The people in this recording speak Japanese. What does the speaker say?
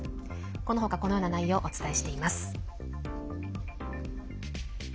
この他、このような内容をお伝えしています。